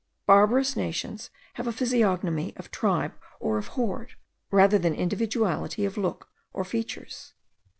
Barbarous nations have a physiognomy of tribe or of horde, rather than individuality of look or features.